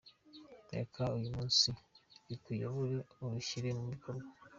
Reka uyu munsi rikuyobore urishyire mu bikorwa.